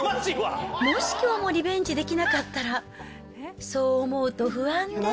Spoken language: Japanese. もしきょうもリベンジできなかったら、そう思うと不安で。